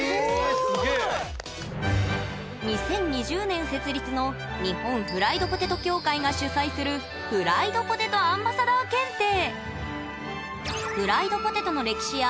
２０２０年設立の日本フライドポテト協会が主催するフライドポテト・アンバサダー検定。